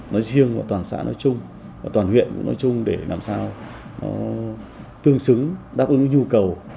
nói riêng toàn xã nói chung toàn huyện nói chung để làm sao tương xứng đáp ứng nhu cầu